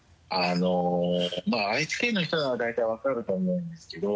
まぁ愛知県の人なら大体分かると思うんですけど。